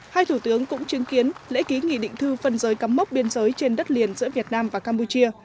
hai thủ tướng cũng chứng kiến lễ ký nghị định thư phân giới cắm mốc biên giới trên đất liền giữa việt nam và campuchia